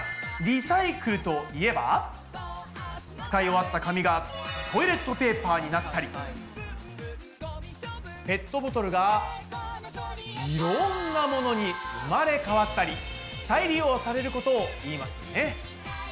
リサイクルといえば使い終わった紙がトイレットペーパーになったりペットボトルがいろんなものに生まれ変わったり再利用されることを言いますよね。